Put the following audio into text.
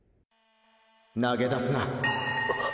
投げ出すな。！